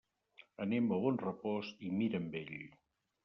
Anem a Bonrepòs i Mirambell.